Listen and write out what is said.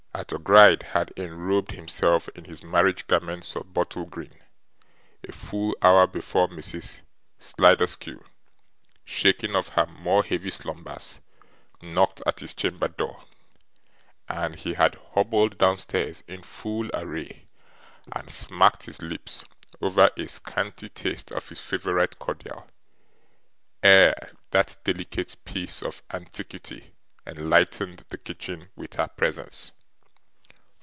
Arthur Gride had enrobed himself in his marriage garments of bottle green, a full hour before Mrs. Sliderskew, shaking off her more heavy slumbers, knocked at his chamber door; and he had hobbled downstairs in full array and smacked his lips over a scanty taste of his favourite cordial, ere that delicate piece of antiquity enlightened the kitchen with her presence.